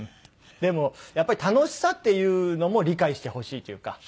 でもやっぱり楽しさっていうのも理解してほしいっていうか。